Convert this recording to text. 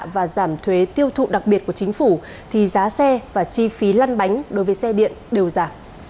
và giảm thuế tiêu thụ đặc biệt của chính phủ thì giá xe và chi phí lăn bánh đối với xe điện đều giảm